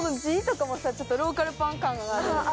字とかもさちょっとローカルパン感がある。